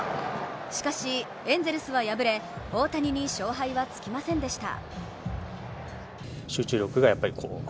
しかし、エンゼルスは敗れ大谷に勝敗はつきませんでした。